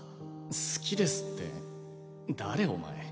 好きですって誰お前？